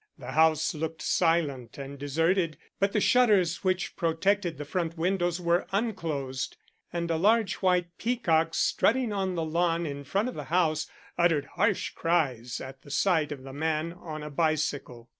The house looked silent and deserted, but the shutters which protected the front windows were unclosed, and a large white peacock strutting on the lawn in front of the house uttered harsh cries at the sight of the man on a bicycle.